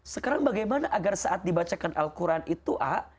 sekarang bagaimana agar saat dibacakan al quran itu a